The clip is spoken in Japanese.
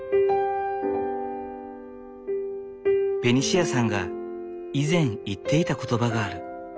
ベニシアさんが以前言っていた言葉がある。